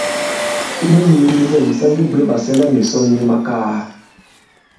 I miyēē mi lɛ̂n, sa ŋge bwě ɓàsɛlamìsɔn mi makaa.